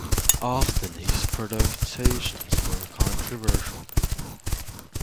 Often, his productions were controversial.